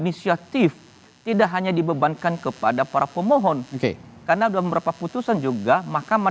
inisiatif tidak hanya dibebankan kepada para pemohon karena udah beberapa putusan juga mahkamah